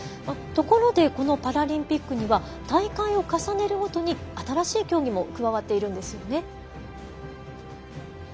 ところでこのパラリンピックには大会を重ねるごとに新しい競技も加わっているんですよね。